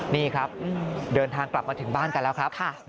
นี่ครับเดินทางกลับมาถึงบ้านกันแล้วครับ